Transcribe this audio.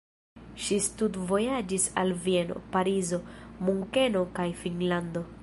Ŝi studvojaĝis al Vieno, Parizo, Munkeno kaj Finnlando.